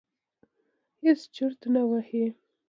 هېڅ چرت نه وهي.